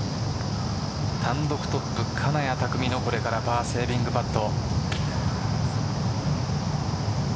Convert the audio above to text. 単独トップ、金谷拓実のパーセービングパット。